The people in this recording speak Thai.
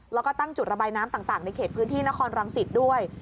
แล้วก็ตั้งจุดระบายน้ำต่างในเขตพื้นที่นครรังสิตด้วย